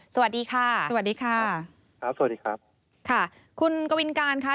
สวัสดีค่ะสวัสดีค่ะครับสวัสดีครับค่ะคุณกวินการค่ะ